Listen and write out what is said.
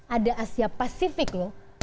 ada asia pasifik loh